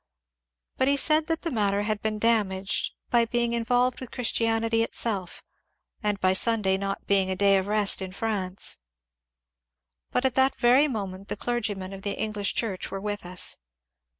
But he said that the matter had been damaged by being involved with Chris 324 MONCDRE DANIEL CX)NWAY tianity itself, and by Sunday not being a day of rest in France. But at that very moment the clergymen of the English Church were with us.